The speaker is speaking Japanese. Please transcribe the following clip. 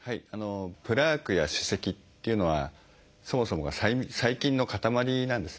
プラークや歯石っていうのはそもそもが細菌の塊なんですね。